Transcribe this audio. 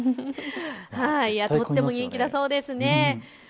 とっても人気だそうです。